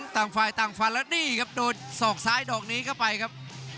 ต่างฝ่ายต่างฟันแล้วนี่ครับโดนศอกซ้ายดอกนี้เข้าไปครับ